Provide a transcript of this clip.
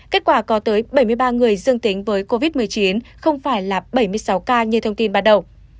kết quả có tới bảy mươi ba người dương tính với covid một mươi chín không phải là bảy mươi sáu ca như thông tin ban đầu